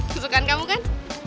kesukaan kamu kan